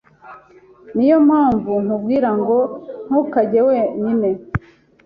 Niyo mpamvu nkubwira ngo ntukajye wenyine.